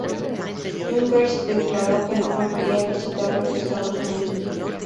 Jürgens declaró que no volvería a visitar los Estados Unidos.